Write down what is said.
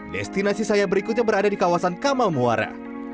destinasi saya berikutnya berada di kawasan kamal muara